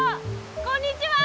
こんにちは！